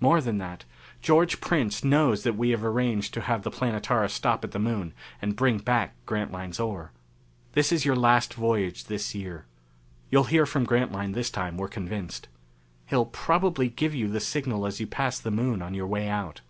"More than that: George Prince knows that we have arranged to have the Planetara stop at the Moon and bring back Grantline's ore.... This is your last voyage this year. You'll hear from Grantline this time, we're convinced. He'll probably give you the signal as you pass the Moon on your way out.